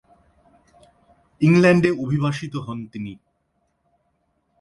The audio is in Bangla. ইংল্যান্ডে অভিবাসিত হন তিনি।